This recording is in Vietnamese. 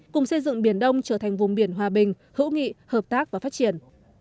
cùng xây dựng biển đông trở thành vùng biển hòa bình hữu nghị hợp tác và phát triển